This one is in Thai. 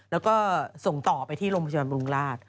แล้วก็ส่งต่อไปที่โรงพยาบาลบำรุงราช